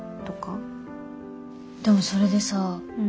でもそれでさ